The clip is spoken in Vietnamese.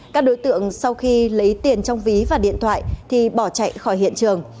các đối tượng sau khi lấy tiền trong ví và điện thoại thì bỏ chạy khỏi hiện trường